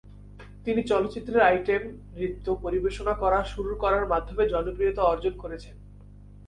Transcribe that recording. তিনি চলচ্চিত্রের আইটেম নৃত্য পরিবেশন করা শুরু করার মাধ্যমে জনপ্রিয়তা অর্জন করেছিলেন।